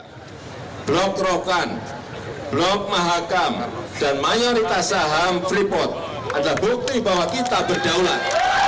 blok rokan blok mahakam dan mayoritas saham freeport adalah bukti bahwa kita berdaulat